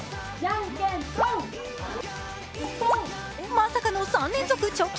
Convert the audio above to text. まさかの３連続チョキ。